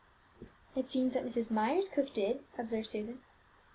"It seems that Mrs. Myers' cook did," observed Susan.